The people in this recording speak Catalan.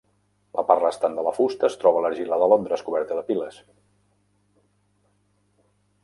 La part restant de la fusta es troba a l'Argila de Londres coberta de piles.